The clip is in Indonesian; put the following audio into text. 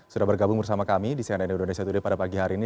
sudah bergabung bersama kami di cnn indonesia today pada pagi hari ini